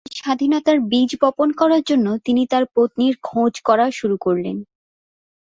তার ভেতরে স্বাধীনতার বীজ বপন করার জন্য, তিনি তার জন্য পত্নীর খোঁজ করা শুরু করলেন।